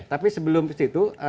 tapi sebelum itu